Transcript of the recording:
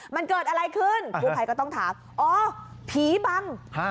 มันเกิดอะไรขึ้นกู้ภัยก็ต้องถามอ๋อผีบัง